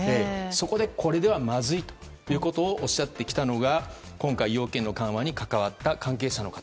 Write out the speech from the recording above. そこでこれではまずいということをおっしゃってきたのが今回、要件の緩和に関わった関係者の方。